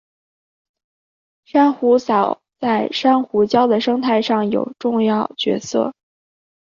珊瑚藻在珊瑚礁的生态上有重要角色。